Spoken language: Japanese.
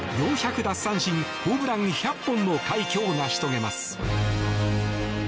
奪三振ホームラン１００本の快挙を成し遂げます。